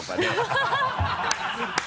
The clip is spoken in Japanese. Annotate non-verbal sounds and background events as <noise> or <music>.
ハハハ <laughs>